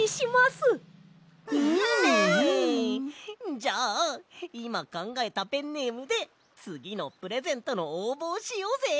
じゃあいまかんがえたペンネームでつぎのプレゼントのおうぼをしようぜ！